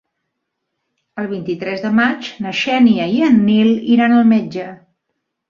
El vint-i-tres de maig na Xènia i en Nil iran al metge.